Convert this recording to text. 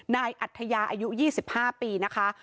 นายอัธยาอายุ๒๕ปีนะคะ